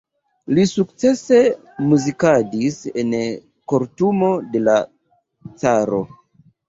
Li sukcese muzikadis en kortumo de la caro.